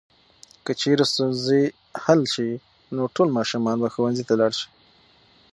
که چېرې ستونزې حل شي نو ټول ماشومان به ښوونځي ته لاړ شي.